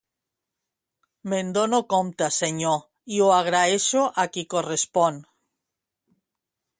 Me'n dono compte, senyor, i ho agraeixo a qui correspon.